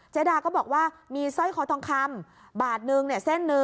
เจดาก็บอกว่ามีสร้อยคอทองคำ๑บาทเส้น๑บาท